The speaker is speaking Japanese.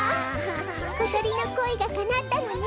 ことりのこいがかなったのね。